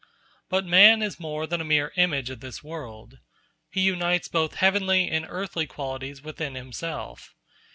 But man is more than a mere image of this world. He unites both heavenly and earthly qualities within himself.